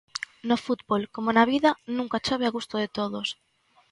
No fútbol, como na vida, nunca chove a gusto de todos.